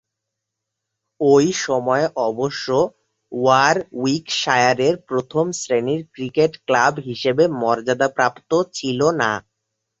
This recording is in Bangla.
ঐ সময়ে অবশ্য ওয়ারউইকশায়ারের প্রথম-শ্রেণীর ক্রিকেট ক্লাব হিসেবে মর্যাদাপ্রাপ্ত ছিল না।